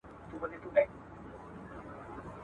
هغه حق ئې په مخکني حديث شريف ثابت دی.